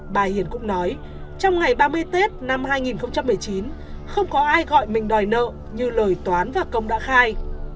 bà hiền cũng nói trong ngày ba mươi tết năm hai nghìn một mươi chín không có ai gọi mình đòi nợ như lời toán và công đã khai